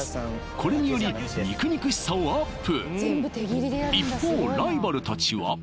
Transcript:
これにより肉肉しさをアップ！